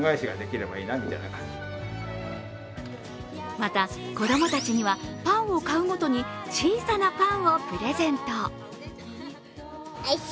また、子供たちにはパンを買うごとに小さなパンをプレゼント。